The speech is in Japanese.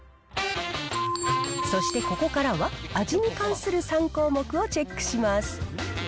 そしてここからは味に関する３項目をチェックします。